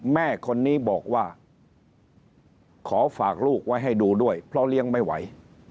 แม่คนนี้บอกว่าขอฝากลูกไว้ให้ดูด้วยเพราะเลี้ยงไม่ไหว